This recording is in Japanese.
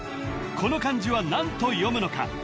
この漢字は何と読むのか？